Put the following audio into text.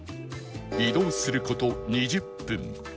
移動する事２０分